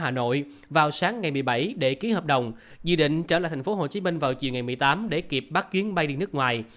họ đã đặt vé máy bay ra hà nội vào sáng ngày một mươi bảy để ký hợp đồng dự định trở lại thành phố hồ chí minh vào chiều ngày một mươi tám để kịp bắt chuyến bay đi nước ngoài